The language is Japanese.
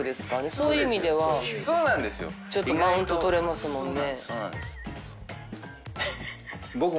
そういう意味ではちょっとマウント取れますもんね。